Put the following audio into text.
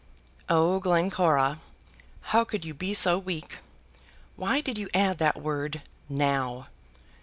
Oh, Glencora! how could you be so weak? Why did you add that word, "now"?